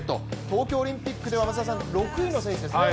東京オリンピックでは６位の選手ですね。